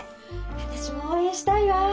私も応援したいわ。